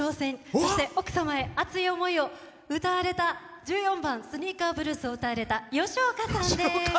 そして、奥様へ熱い思いを歌われた１４番「スニーカーぶるす」を歌われたよしおかさんです。